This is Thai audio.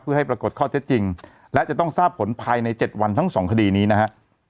เพื่อให้ปรากฏข้อเท็จจริงและจะต้องทราบผลภายใน๗วันทั้งสองคดีนี้นะฮะ